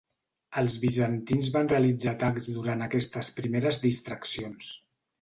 Els bizantins van realitzar atacs durant aquestes primeres distraccions.